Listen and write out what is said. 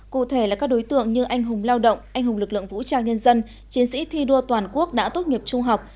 cụ thể là các đối tượng như anh hùng lao động anh hùng lực lượng vũ trang nhân dân chiến sĩ thi đua toàn quốc đã tốt nghiệp trung học